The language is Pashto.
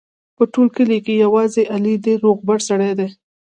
په ټول کلي کې یوازې علي د روغبړ سړی دی.